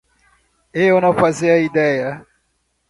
Eu não fazia ideia.